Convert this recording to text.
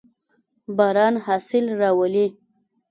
باران حاصل راولي.